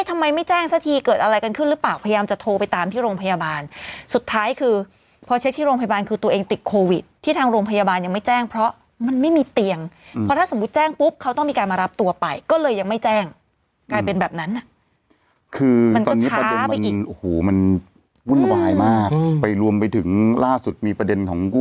ไม่มีเตียงเพราะถ้าสมมุติแจ้งปุ๊บเขาต้องมีการมารับตัวไปก็เลยยังไม่แจ้ง